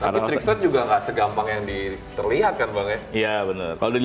tapi trickshot juga nggak segampang yang terlihat kan bang ya